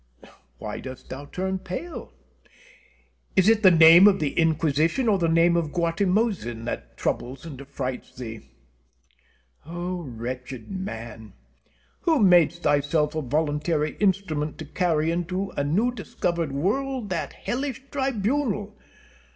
Why dost thou turn pale? Is it the name of the Inquisition, or the name of Guatimozin, that troubles and affrights thee? O wretched man! who madest thyself a voluntary instrument to carry into a new discovered world that hellish tribunal?